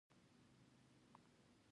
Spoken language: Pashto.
افغانستان په هرات باندې تکیه لري.